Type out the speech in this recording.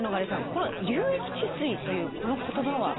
これ流域治水というこの言葉は。